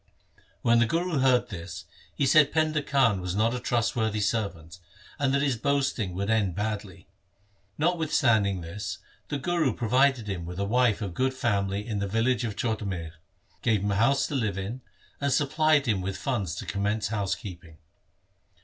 When the Guru heard this he said Painda Khan was not a trust worthy servant, and that his boasting would end badly. Notwithstanding this, the Guru provided him with a wife of good family in the village of Chhotamir, gave him a house to live in, and supplied him with funds to commence housekeeping.